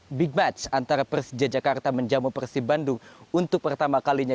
ini big match antara persija jakarta menjamu persib bandung untuk pertama kalinya